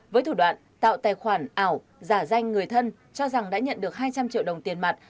với thủ đoạn tạo tài khoản ảo giả danh người thân cho rằng đã nhận được hai trăm linh triệu đồng tiền mặt